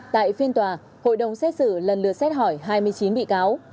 tại phiên tòa hội đồng xét xử lần lượt xét hỏi hai mươi chín bị cáo